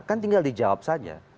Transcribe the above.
kan tinggal dijawab saja